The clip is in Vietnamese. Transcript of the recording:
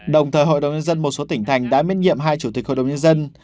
đồng thời hội đồng nhân dân một số tỉnh thành đã miễn nhiệm hai chủ tịch hội đồng nhân dân